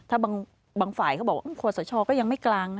ถ้าบางฝ่ายเขาบอกว่าขอสชก็ยังไม่กลาง